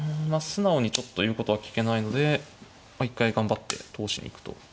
素直にちょっと言うことは聞けないので一回頑張って通しに行くと。